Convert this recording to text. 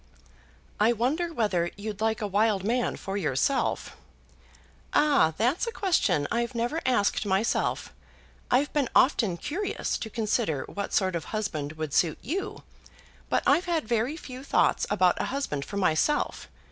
"I wonder whether you'd like a wild man for yourself?" "Ah! that's a question I've never asked myself. I've been often curious to consider what sort of husband would suit you, but I've had very few thoughts about a husband for myself.